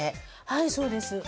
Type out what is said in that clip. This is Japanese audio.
はいそうです。